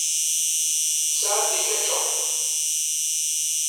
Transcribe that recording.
Sɛeddi ketchup.